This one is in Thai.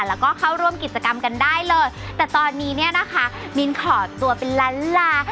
แล้วก็เข้าร่วมกิจกรรมกันได้เลยแต่ตอนนี้เนี่ยนะคะมิ้นขอตัวเป็นล้านลา